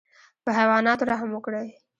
په حیواناتو رحم وکړئ